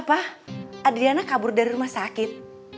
adriana kabur dari rumah sakit